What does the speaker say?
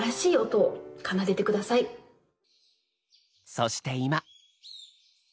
そして今。